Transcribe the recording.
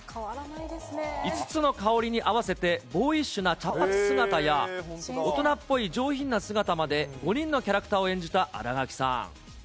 ５つの香りに合わせて、ボーイッシュな茶髪姿や、大人っぽい上品な姿まで、５人のキャラクターを演じた新垣さん。